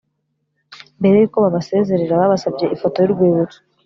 mbere yuko babasezera babasabye ifoto yurwibutso